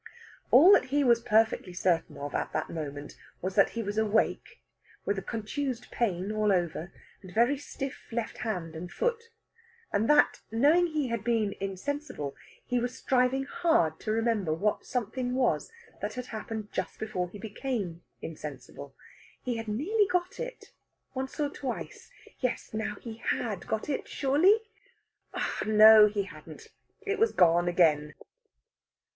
All that he was perfectly certain of, at that moment, was that he was awake, with a contused pain all over, and a very stiff left hand and foot. And that, knowing he had been insensible, he was striving hard to remember what something was that had happened just before he became insensible. He had nearly got it, once or twice. Yes, now he had got it, surely! No, he hadn't. It was gone again.